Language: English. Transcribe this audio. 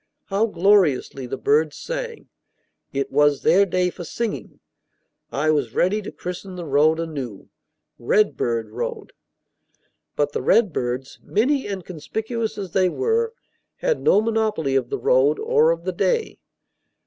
How gloriously the birds sang! It was their day for singing. I was ready to christen the road anew, Redbird Road. But the redbirds, many and conspicuous as they were, had no monopoly of the road or of the day.